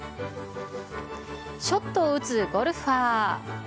ショットを打つゴルファー。